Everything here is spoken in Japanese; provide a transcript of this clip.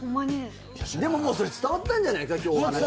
でももうそれ伝わったんじゃない？